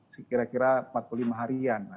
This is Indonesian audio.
sekira kira empat puluh lima harian